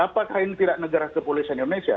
apakah ini tidak negara kepolisian indonesia